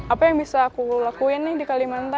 apa yang bisa aku lakuin nih di kalimantan